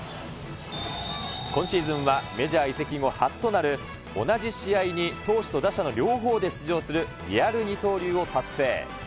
今シーズンはメジャー移籍後初となる、同じ試合に投手と打者の両方で出場するリアル二刀流を達成。